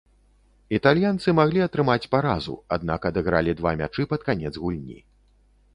Італьянцы маглі атрымаць паразу, аднак адыгралі два мячы пад канец гульні.